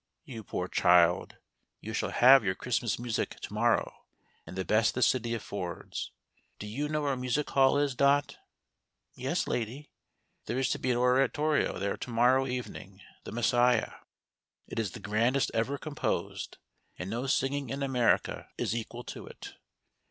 " You poor child, you shall have your Christmas music to morrow, and the best the city affords. Do you know where Music Hall is. Dot ?"" Yes, lady." " There is to be an oratorio there to morrow evening: — T/ie Messiah. It is the grandest ever composed, and no singing in America is equal to it.